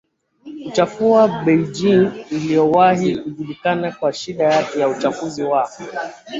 kuchafua Beijing iliyowahi kujulikana kwa shida yake ya uchafuzi wa